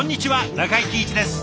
中井貴一です。